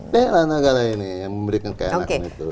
bela negara ini yang memberikan kelelakan itu